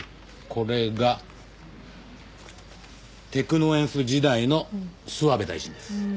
これがテクノエンス時代の諏訪部大臣です。